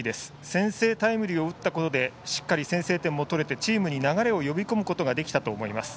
先制タイムリーを打ったことでしっかり先制点を取れてチームに流れを呼び込むことができたと思います。